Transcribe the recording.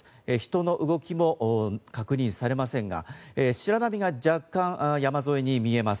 人の動きも確認されませんが白波が若干山沿いに見えます。